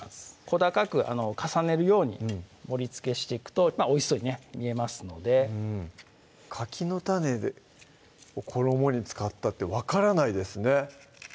小高く重ねるように盛りつけしていくとおいしそうにね見えますのでうんかきの種を衣に使ったって分からないですね